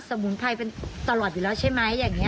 สมุนไพรเป็นตลอดอยู่แล้วใช่ไหมอย่างนี้